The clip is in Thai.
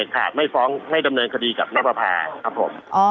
กับปภาครับผม